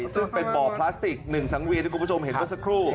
ซึ่งเป็นบ่อพลาสติก๑สังเวียนที่คุณผู้ชมเห็นเมื่อสักครู่